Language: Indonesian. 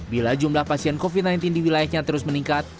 bila jumlah pasien covid sembilan belas di wilayahnya terus meningkat